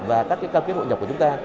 và các các cơ hội nhập của chúng ta